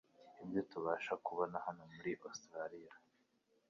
ibyo tubasha kubona hano muri Ositraliya.